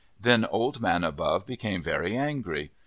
Then Old Man Above became very angry.